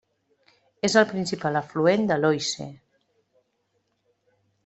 És el principal afluent de l'Oise.